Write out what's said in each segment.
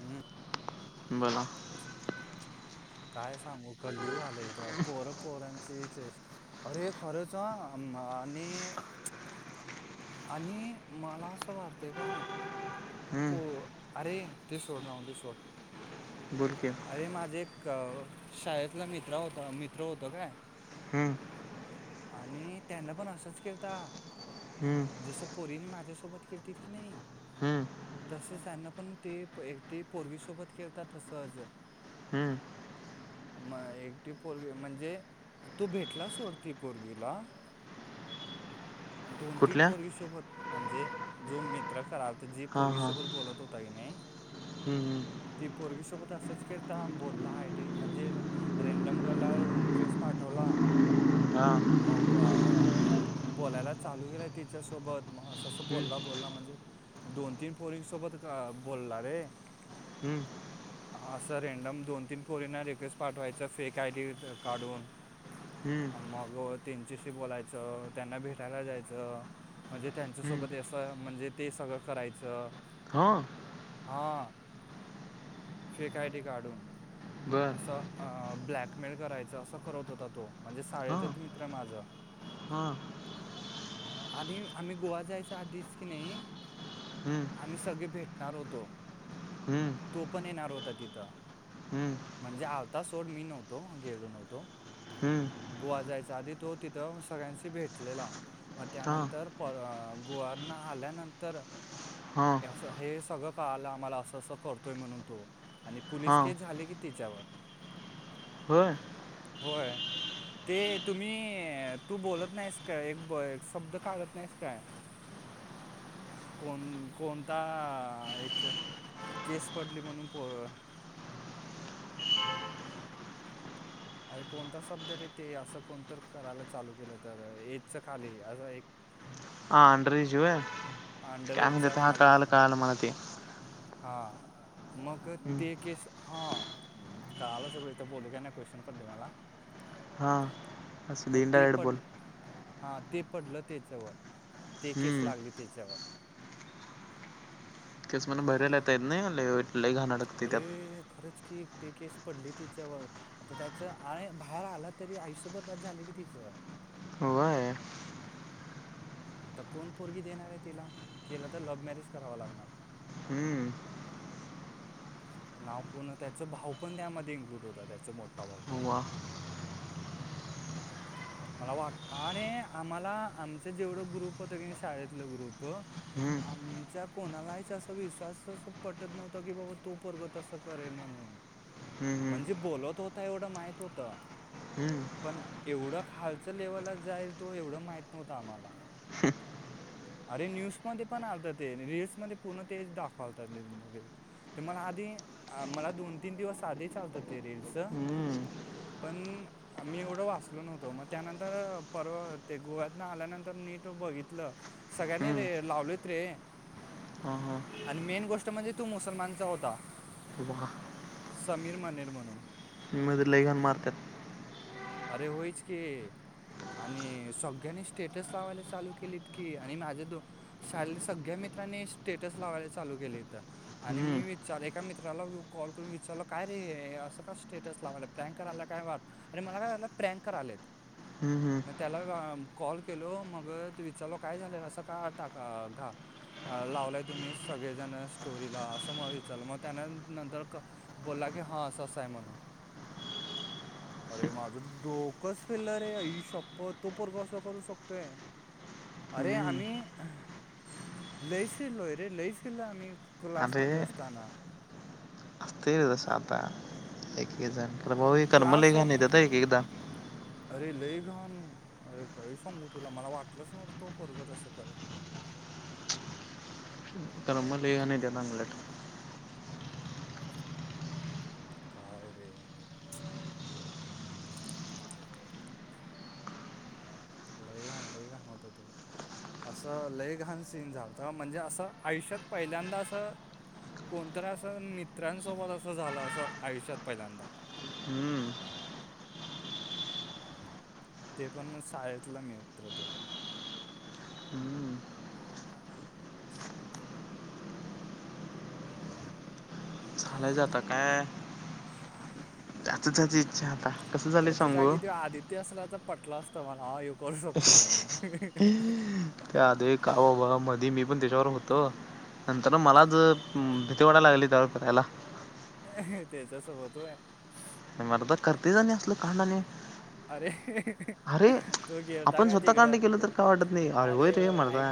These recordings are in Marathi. हम. बोला काय सांगू कलीयुग आलय इथं पोरं पोरांची चेष्ट अरे खरच हां आणि आणि मला असं वाटतेय काय? हम्म, प अरे ते सोड राहू ते सोड. बोल की अरे माझे एक शाळेतला मित्र होता, मित्र होता काय हं आणि त्यांना पण असंच केलता. हम्म. जसं पोरीने माझ्यासोबत केलती की नाही. हं. तसंच त्यांना पण ते ते पोरगीसोबत खेळतात तसं असं ल हम्म. मग एकटी पोरगी म्हणजे तो भेटलास सोड ती पोरगीला तीन कुठल्या पोरगी सोबत म्हणजे जो मित्र करा जी हां पोरगी हां सोबत बोलत होता की नाही हम्म, ती पोरगी सोबत असच केलता बोलला आय डी म्हणजे रेंडम गलवर रिक्वेस्ट पाठवला. हम्म, हां हम्म, मग बोलायला चालू केला तिच्यासोबत मग असं अस बोलला -बोलला म्हणजे दोन तीन पोरींन सोबत बोलला रे हम् [inaudible] असं रँडम दोन तीन पोरींना रिक्वेस्ट पाठवायचा फेक आयडी काढून. हम्म, मग त्यांच्याशी बोलायचं त्यांना भेटायला जायच. म्हणजे हम्म. त्यांच्यासोबत असं म्हणजे ते सगळं करायच. हां हां फेक आय डी काढून बर असं ब्लॅकमेल करायचं असं करत होता तो म्हणजे हां शाळेचाच मित्र आहे माझा. हां. आणि आम्ही गोवा जायच्या आधीच की नाही हम्म, आम्ही सगळे भेटणार होतो हम्म, तो पण येणार होता तिथं. हम्म, म्हणजे आलता सोड मी नव्हतो गेलो नव्हतो. हम्म. गोवा जायच्या आधी तो तिथं सगळ्यांशी भेटलेला मग हां त्यानंतर पण गोवावरन आल्यानंतर हां हे सगळं कळालं आम्हाला असं असं करतोय म्हणून तो आणि पोलीस हां केस झाली की तेच्यावर होय! होय ते तुम्ही तू बोलत नाहीस का एक शब्द काढत नाहीस काय [inaudible] कोण कोणता एक? केस पडली म्हणून प अरे कोणता शब्द रे ते असं कोणत करायला चालू केलं तर एजच्या खाली असं एक हां अंडर एज होय हां अंडर काय म्हणतात एजचा ते खाली कळाल कळाल मला ते. हां मग हम्म, ते केस हां कळालं सर्व इथं बोलू का नाही क्वेश्चन पडले मला हां. असं मग दे ते डायरेक्ट बोल पडलं हां ते पडलं त्याच्यावर ते केस हम्म, लागली त्याच्यावर केस मधून बाहेर येता येत नाही लई वाईट लई घाणं अडकतोय त्यात. हे खरंच की ते केस पडली तेच्यावर आता त्याच आणि बाहेर आला तरी आयुष्य बरबाद झालं की त्याच. होय! आता कोण पोरगी देणार आहे त्याला केला तर लव्ह मॅरेज करावा लागणार. हम्म. नाव पूर्ण त्याच, भाऊ पण त्यामध्ये इन्क्लूड होता त्याचा मोठा भाऊ. वा [inaudible] मला वाट अरे आम्हाला आमचं जेवढं ग्रुप होत की शाळेतलं ग्रुप हम्म, आमच्या कोणालाहीच अस विश्वासच पटत नव्हत की बाबा तो पोरग तसं करेल म्हणून, हम्म, हम्म. म्हणजे बोलत होता एवढं माहित होत. हम्म, पण एवढं खालचं लेवलला जाईल तो एवढं माहित नव्हतं आम्हाला. अरे न्यूज मध्ये पण आलत ते रिल्समध्ये पूर्ण तेच दाखवालतात रे. ते मला आधी मला दोन तीन दिवस आधीच आलत ते रिल्स हम्म, पण मी एवढं वाचलो नव्हतो मग त्यानंतर परवा ते गोव्यातन आल्यानंतर मी तो बघितलं सगळ्यांनी रे लावलेत रे हां हां. आणि मेन गोष्ट म्हणजे तो मुसलमानचा होता. वा समीर मनेर म्हणून. मग तर लई घाण मारत्यात. अरे होयच की! आणि सगळ्यांनी स्टेटस लावायला चालू केलीत की आणि माझ्या दो साले सगळ्या मित्रांनी, स्टेटस लावायला, चालू केले इथं. आणि हम्म, मी विचार, एका मित्राला कॉल करून विचारलं, काय रे, असं का स्टेट? स लावल्यात, प्रँक कराला काय? वाटत आणि मला काय वाटल प्रँक करायल्यात हम् हम. मग त्याला कॉल केलो, मग त विचारलो, काय झालं, असं का टाका घा? अ लावलाय तुम्ही, सगळेजण स्टोरीला, असं म विचारलं, म त्यान नंतर बोलला की, हा अस अस य म्हणून. हम् [unintelligible] अरे माझंच डोकच फिरल रे, आई शप्पत, तो पोरग असं करू शकतोय. अरे हम्म. आम्ही, लय फिरलोय रे, लय फिरलोय आम्ही क्लासमध्ये असताना. असतय रे तसं आता, एक-एक जण अरे भाऊ हे कर्म लय क्लास घाण येतात हं एक एकदा अरे लई घान, अरे काही सांगू तुला, मला वाटलंच नव्हतं, तो पोरग तसं करेल, म्हणून. कर्म लय घाण येत्यात, आंगलट. काय रे? लईघान-लईघान होत ते. असं लय घान सीन झालता, म्हणजे असं आयुष्यात, पहिल्यांदा असं कोणतंर असं, मित्रांसोबत असं झालं, असं आयुष्यात पहिल्यांदा. हम्म. ते पण, शाळेतला मित्र तो. हम्म. [inaudible] चालायचं आता, काय ज्याचं त्याचं इच्छा, आता कसं झालय, सांगू? ते असला, तर पटलं असतं मला, हा ह्यो करू शोकतोय, म्हणून. ते आदिक का ओ बाबा मधी, मी पण त्याच्याबरोबर होतो. नंतर मलाच, भीती वाटायला लागली, त्याला करायला. हह त्याच्या सोबत वय? [unintelligible] करते झाले असलं कांड आणि अरे अरे तू गेलता आपण काय स्वतः कांड तिकडं केेल, तर काय वाटत नही, अरे होय रे मर्दा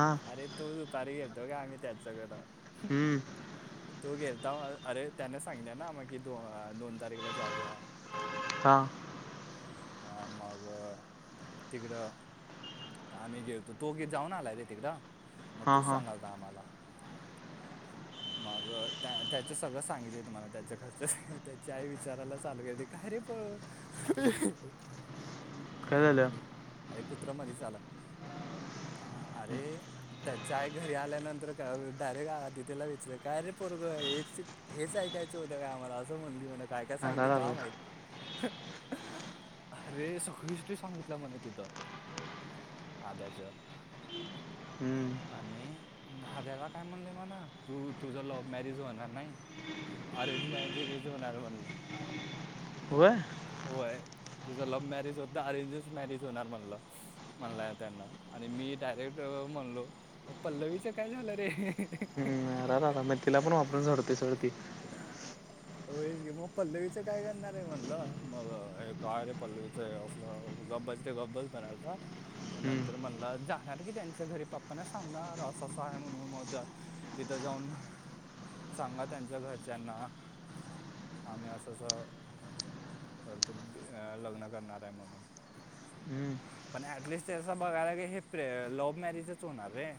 आं? अरे, तोच होता रे, गेलतो आम्ही त्याचकडं. हम्म. तो गेलता, अरे त्यान सांगीतले ना, मग कि दो-दोन तारखेला, जाऊया. हा. हा मग, तिकडं आम्ही गेलतो, तो गे जाऊन आलाय रे तिकड, मग हां तोच हां सांगालता आम्हाला. मग त्या-त्याच सगळं सांगितलं, तुम्हाला त्याच घरचं, त्याची आई विचारायलाच चालू केल काय रे, पळ [inaudible] आहे की, नही अरे कुत्र मदिच आल. हा अरे, त्याच आई घरी आल्यानंतर, का डायरेक्ट आ तिथ त्याला विचारलं, काय रे पोरग हेच, हेच आईकायच होतं का आम्हाला, असं म्हणली म्हण काय-काय अरा संगती रा काय रा. माहीत अरे सगळी हिस्ट्री सांगितलं म्हणे तिथं. आद्याच हम्म आणि आद्याला काय म्हणले म्हणा तू तुझं लव्ह मॅरेज होणार नाही, अरेंज मॅरेजच होणार म्हणला. वय होय, तुझं लव्ह मॅरेज होतं नाही, अरेंजच मॅरेज होणार म्हणला. म्हणलाय त्यांना आणि मी डायरेक्ट म्हणलो, पल्लवीचं काय झालं रे? राम्या तिला पण वापरून सोडतोय सोड ती. होईच की मग पल्लवीचं काय करणार आहे म्हणलं, मग ये काय आहे रे पल्लवी च असलं गप बस की गप बस म्हणालता मग हम्म, नंतर म्हणला जाणार की त्यांच्या घरी, पप्पांना सांगणार असं असं आहे म्हणून माझ तिथं जाऊन, सांगा त्यांच्या घरच्यांना, आम्ही असं असं करत, लग्न करणार आहे म्हणून. हम्म, पण ऍटलिस्ट त्यांच बघायला हे लव्ह मॅरीजच होणार रे.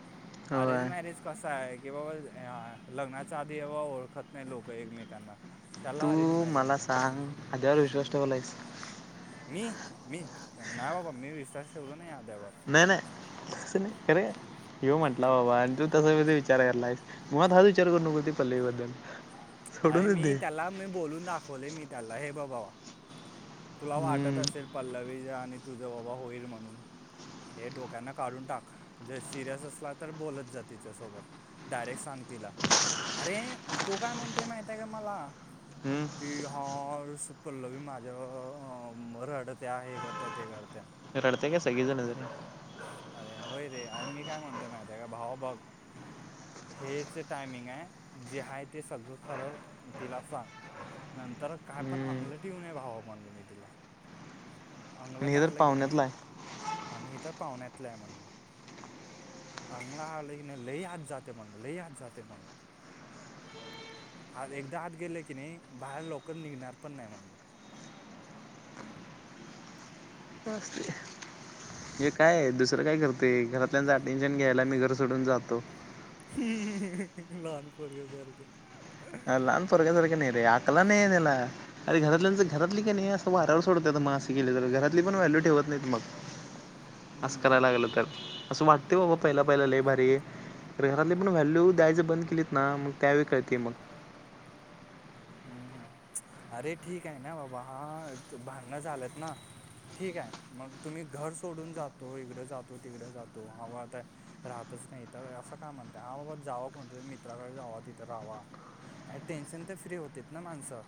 [unintelligible] अरेंज मॅरेज कसं आहे की, बाबा लग्नाच्या आधी बाबा ओळखत नाही लोकं एकमेकांना. त्याला तू अरेंज मॅरेज मला म्हणतात सांग आद्यावर विश्वास ठेवलायस? मी मी नाही बाबा मी विश्वास ठेवला नाही आद्यावर. नाही नाही तसं नाही रे, येऊ म्हटला बाबा आणि तू तसं कसं विचार करायलायस. मुळात हा विचार करू नकोस ती पल्लवीबद्दल. अरे सोडूनच मी दे त्याला मी बोलून दाखवलय मी त्याला हे बघ भावा, तुला वाटत हम्म, असेल पल्लवीच आणि तुझ बाबा होईल म्हणून, हे डोक्यातन काढून टाक, जर सिरियस असला तर बोलत जा तिच्यासोबत. डायरेक्ट सांग तिला, अरे तो काय म्हणतोय माहितेय का मला हम्म. की हा असं पल्लवी माझा अं रडत्या हे करत्या ते करत्या. रडते काय सगळे जणच अरे होय रे आणि मी काय म्हणतो माहितेय का भावा बघ, हेच टायमिंग ये, जे आहे ते सगळं खरं तिला सांग. नंतर काय पण हम्म अंगलंठ येऊ नये भाव म्हणलो मी तिला, आणि अंगलाट हे तर आल कणी पाहुण्यातला आणि हे तर पाहून्यातल आहे म्हणलं. अंगला आल कणी लई आत जातय म्हणल लई आज जाते म्हणल. आ एकदा आत गेले कणी बाहेर लवकर निघणार पण नाही म्हणलं. नस्ते हे काय दुसरं काय करतय घरातल्यांच अटेन्शन घ्यायला मी घर सोडून जातो. लहान पोरग्या सारखं. लहान पोरग्या सारखं नाही रे आकला नाहीेयेत ह्याला. अर घरातल्या घरातली कणी असं वाऱ्यावर सोडत्यात मग अस केलं तर घरातली पण व्हॅल्यू ठेवत नाहीत मग, अस हम्म करायला लागल तर असं वाटतय बाबा पहिला पहिला लई भारी तर घरातले पण व्हॅल्यू द्यायचं बंद केली ना मग त्यावेळी कळतय मग, हम्म हम्म [unintelligible] अरे ठीक आहे ना बाबा हा भांडण झाल्यात ना, ठीक आहे मग तुम्ही घर सोडून जातो इकडं जातो तिकडं जातो हवा आता राहतच नाही तर असं काय म्हणतय हा बाबा जाव कोणतरी मित्राकडे जाव तिथं राहावा अ टेन्शन तर फ्री होते ना माणसं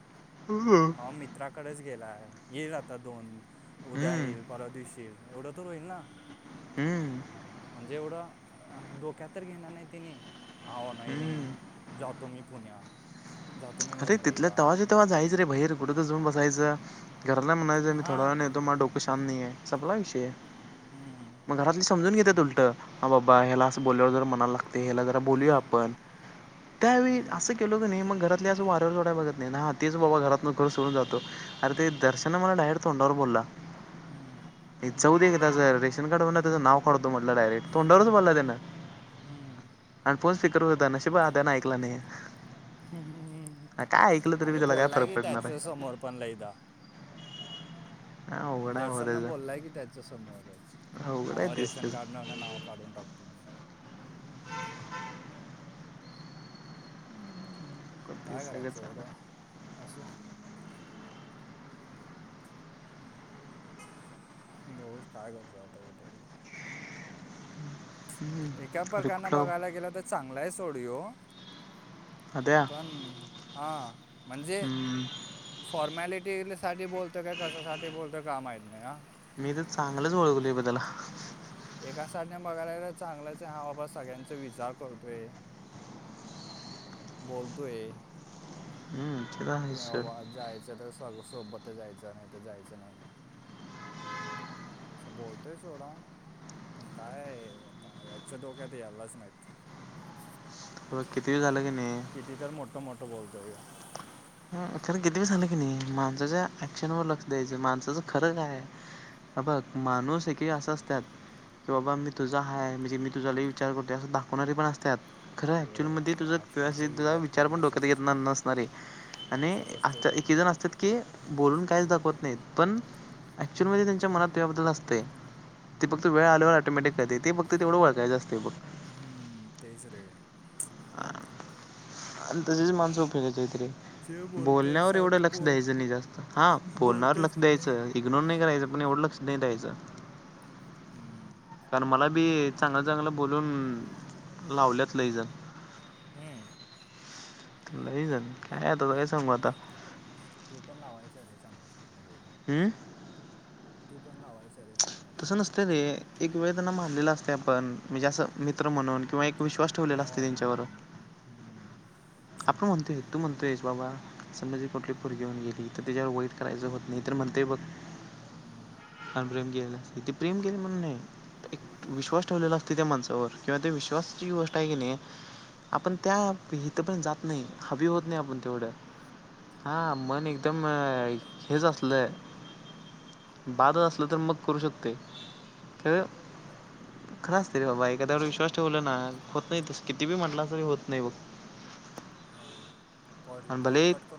हम्म, हा, मित्राकडेच गेलाय येईल आता दोन- उद्या हम्म, येईल, परवा दिवस येईल, एवढं तर होईल ना हम्म म्हणजे, एवढं डोक्यात तर घेणार नाही तिने हा, नाहीई हम्म. जातो मी पुण्यात जातो मी अरे मुंबई तिथल्या तेव्हाशी तेव्हा जायं रे, बैर कुठं जाऊन बसायचं घराला म्हणायचं मी थोडा हां वेळानी येतो तो मला डोकं शांत नाही, संपला विषय हम्म मग, घरातली समजून घेतात उलटं हा बाबा ह्याला असं बोल्यावर जर मणाला लागते ह्याला जरा बोलूया हम्म आपण त्यावेळी हम्म असं केलं का नाही मग घरात ते वऱ्यावर जोडाय बघत नाही ना तेच बाबा घरात नो सोडून जातो अरे ते दर्शन मला डायरेक्ट तोंडावर बोलला हम्म हे चौऊ दे का त्याचं रेशन कार्डवर त्याचं नाव काढतो म्हटलं डायरेक्ट तोंडवरच बोलला त्यान आणि फोन स्पिकर होता नशीब त्यांना ऐकला नाही आ, काय ऐकलं तरी बी अरे त्याला काय बोलला फरक गि पडणार त्याच आहे समोर पण लईदा हा अवघड आहे बाबा दर्शनना त्याचं बोललाय की त्याच्या समोरच अवघड आहे ह तेच रेशन तेच काढ ना नाव काढून टाकतो म्हणा तेच काय सगळं करायचं एवढं, चांगलं असं बऊच काय करतो आता हे बरोबर एका अरे प्रकारन कुठलं बघायला गेले तर चांगलाय आहे सोड य्ये अद्या पण, हां म्हणजे फॉर्मॅलिटी साठी बोलत काय कशसाठी बोलत का माहीत ना? मी तर चांगलंच ओळखले ब त्याला एका साईडने बघायला ग चांगलंच आहे हा बाबा सगळ्यांचा विचार करतोय बोलतोय हम्म चला की बाबा जायचं तर सग सोबत जायचं. नाही तर जायचं नाही असं बोलतोय सोडा पण काय आहे आता याच्या डोक्यात यायलाच माहिती किती झालं की नाही किती तर मोठं-मोठं बोलतो या ह खरं किती ब झालं की नाही माणसाच्या ऍक्शन वर लक्ष द्यायचं माणसाचं खरं काय आता माणूस एकेक असे असतात की बाबा मी तुझा हय म्हणजे, मी तुझाला विचार करतो असं दाखवणारी पण असतात खरं हे ऍक्च्युअल बाबा मध्ये हे तुझ आजकालच्या युगात की विचार नाही पण डोक्यात असंच असते घेतणार नसणारे आणि असंच असते असता लोक एकेक हे. जण असतात की बोलून काहीच दाखवत नाहीत पण, ऍक्च्युअल मध्ये त्यांच्या मनात तेबद्दल असतें ते फक्त वेळाल्यावर ऑटोमॅटिक करते ते फक्त तेवढं वळखायं असते बघ हा तेच रे आणि तसेच माणसं उपयोगि आहेत रे जे बोलतं बोलण्यावर एवढं सारखं लक्ष बोल द्यायचं नाही जास्त हा, बोलण्यावर बोलतंच लक्ष की नाही द्यायचं‌. इग्नोर नाही करायचं पण, एवढ लक्ष नाही द्यायचं हम्म. कारण मला बी चांगलं चांगलं बोलून लावल्यात लैजण हम नाही झाली काय आता काय सांगू आता तो पण लावायचा रे चांगलं चांगलं बोलून. [unintelligible] तू पण लावायचा रे. चांगलं तसं चांगलं नसते बोलून रे, एक वेळ त्यांना मानलेला असतय आपण म्हणजे असं मित्र म्हणून किंवा एक विश्वास हे ठेवलेला असतय ओम, त्यांच्यावर. हम्म, आपण म्हणतोय तू म्हणतो आहेस बाबा समजा, जी कुठली पुरगी येऊन गेली, तर तिच्यावर वाईट करायचं होत नाही, तर म्हणतय बघ [inaudible] हम्म. आणि प्रेम केल, इथं प्रेम केलं म्हणून नाही. विश्वास ठेवलेला असतय त्या माणसावर किंवा ते विश्वासाची गोष्ट आहे की नाही आपण त्या इथं पण जात नाही, हवी होत नाही आपण तेवढं. हा मन एकदम हेच असल बादच असलं तर मग करू शकतोय, कळलं. खर असत रे बाबा, एखाद्या वर विश्वास ठेवला ना, होतय तसं. किती बी म्हंटलासतरी होत नाही बघ. हा हा कॉ आणि कॉल भले कट करून